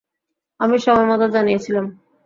আমি সময়মতো জানিয়েছিলাম।